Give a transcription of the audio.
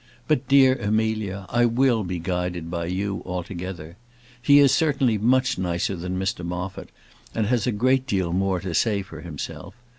But, dear Amelia, I will be guided by you altogether. He is certainly much nicer than Mr Moffat, and has a great deal more to say for himself.